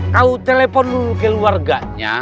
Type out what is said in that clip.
kau telepon dulu ke luarganya